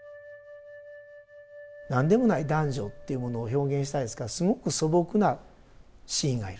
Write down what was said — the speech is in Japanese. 何でもない男女っていうものを表現したいですからすごく素朴なシーンがいる。